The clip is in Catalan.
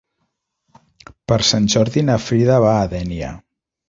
Per Sant Jordi na Frida va a Dénia.